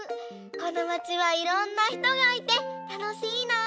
このまちはいろんなひとがいてたのしいな！